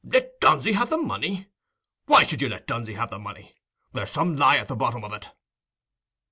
Let Dunsey have the money! Why should you let Dunsey have the money? There's some lie at the bottom of it."